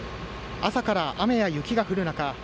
朝から雨や雪が降る中